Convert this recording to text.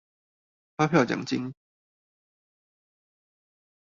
發票獎金